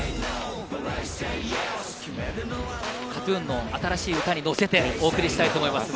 ＫＡＴ−ＴＵＮの新しい歌にのせてお送りします。